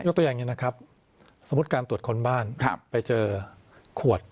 ตัวอย่างนี้นะครับสมมุติการตรวจค้นบ้านไปเจอขวด